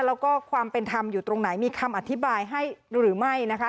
แล้วก็ความเป็นธรรมอยู่ตรงไหนมีคำอธิบายให้หรือไม่นะคะ